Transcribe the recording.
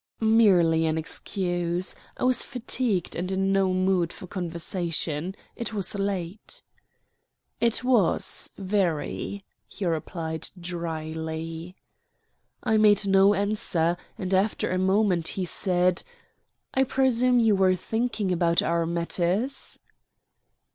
"Merely an excuse. I was fatigued, and in no mood for conversation. It was late." "It was very," he replied dryly. I made no answer, and after a moment he said: "I presume you were thinking about our matters?"